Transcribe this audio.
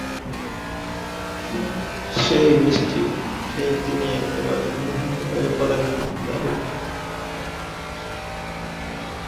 সেই মিষ্টি খেয়ে তিনি একেবারে মোহিত হয়ে পড়েন।